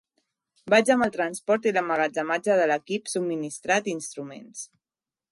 Vaig amb el transport i l'emmagatzematge de l'equip subministrat i instruments.